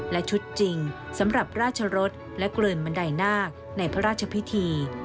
และชุดจริงสำหรับราชรสและเกลินบันไดนาคในพระราชพิธี